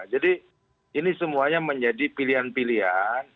jadi ini semuanya menjadi pilihan pilihan